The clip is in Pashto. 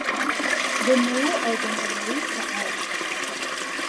د میوو او باغدارۍ په اړه: